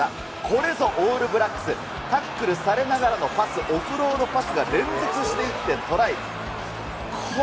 これぞオールブラックス、タックルされながらのパス、オフロードパスが連続していってトライ。